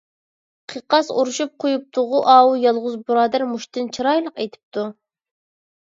قىقاس ئۇرۇشۇپ قويۇپتۇغۇ. ئاۋۇ يالغۇز بۇرادەر مۇشتنى چىرايلىق ئېتىپتۇ.